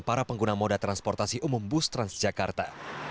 para pengguna moda transportasi umum bus trans jakarta